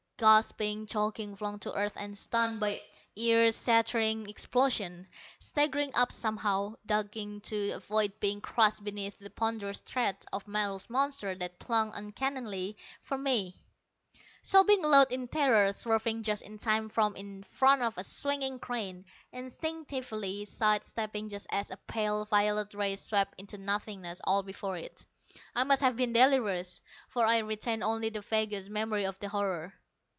Gasping, choking, flung to earth and stunned by ear shattering explosions, staggering up somehow, ducking to avoid being crushed beneath the ponderous treads of metal monsters that plunged uncannily for me, sobbing aloud in terror, swerving just in time from in front of a swinging crane, instinctively side stepping just as a pale violet ray swept into nothingness all before it I must have been delirious, for I retain only the vaguest memory of the horror.